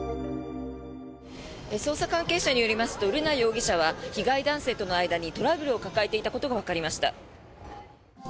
捜査関係者によりますと瑠奈容疑者は被害男性との間にトラブルを抱えていたことがわかりました。